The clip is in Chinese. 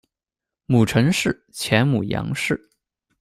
母陈氏；前母杨氏。